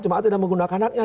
cuma tidak menggunakan haknya